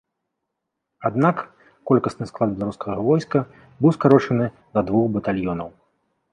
Аднак, колькасны склад беларускага войска быў скарочаны да двух батальёнаў.